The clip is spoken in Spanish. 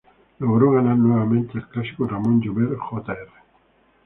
Logró ganar nuevamente el Clásico Ramón Llobet Jr.